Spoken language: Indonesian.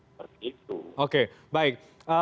seperti itu oke baik